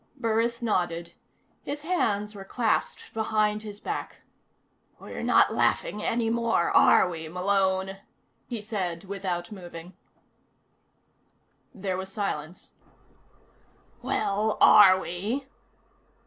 Burris nodded. His hands were clasped behind his back. "We're not laughing any more, are we, Malone?" he said without moving. There was silence. "Well, are we?"